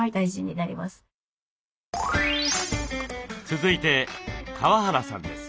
続いて川原さんです。